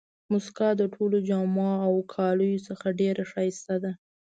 مسکا د ټولو جامو او کالیو څخه ډېره ښایسته ده.